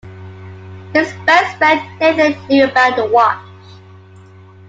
His best friend Nathan knew about the watch.